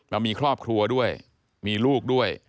เรามีครอบครัวด้วยมีลูกด้วย